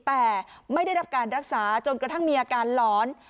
แต่ไม่ได้รับการรักษาจนกระทั่งมีอาการหลอน